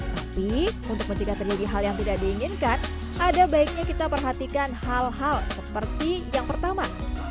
tapi untuk mencegah terjadi hal yang tidak diinginkan ada baiknya kita perhatikan hal hal seperti yang pertama